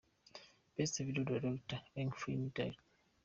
Best Video Director Ng Filmz – Dir.